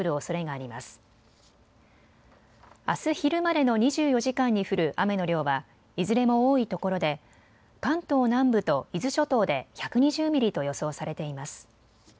あす昼までの２４時間に降る雨の量はいずれも多いところで関東南部と伊豆諸島で１２０ミリと予想されています。